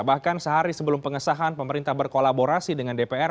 bahkan sehari sebelum pengesahan pemerintah berkolaborasi dengan dpr